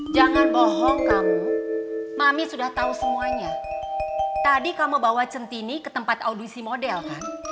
jangan bohong kamu mami sudah tahu semuanya tadi kamu bawa centini ke tempat audisi model kan